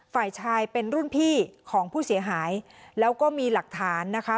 ฝ่ายชายเป็นรุ่นพี่ของผู้เสียหายแล้วก็มีหลักฐานนะคะ